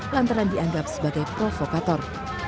lantaran dianggap sebagai provokator